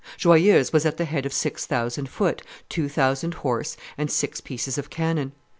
Joyeuse was at the head of six thousand foot, two thousand horse, and six pieces of cannon.